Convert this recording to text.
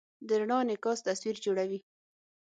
د رڼا انعکاس تصویر جوړوي.